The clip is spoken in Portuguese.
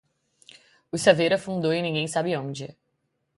O saveiro afundou e ninguém sabe onde.